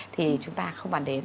thì chúng ta không bàn đến